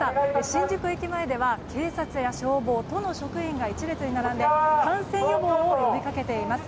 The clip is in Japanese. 新宿駅前では警察や消防、都の職員が１列に並んで感染予防を呼びかけています。